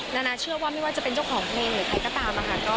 นานาเชื่อว่าไม่ว่าจะเป็นเจ้าของเพลงหรือใครก็ตามค่ะ